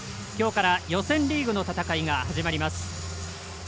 きょうから予選リーグの戦いが始まります。